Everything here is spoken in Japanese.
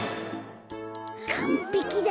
かんぺきだ。